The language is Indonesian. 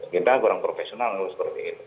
kita orang profesional lalu seperti itu